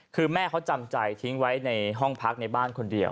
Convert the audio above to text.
คือแม่เขาจำใจทิ้งไว้ในห้องพักในบ้านคนเดียว